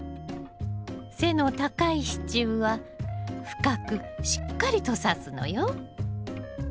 背の高い支柱は深くしっかりとさすのよ。